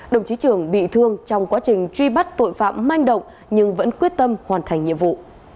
đồng chí trường bị thương trong quá trình truy bắt tội phạm manh động nhưng vẫn quyết tâm hoàn thành nhiệm vụ